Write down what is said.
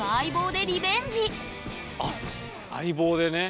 あっ相棒でね。